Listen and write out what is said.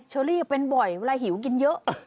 เชอรี่เป็นบ่อยเวลาหิวกินเยอะ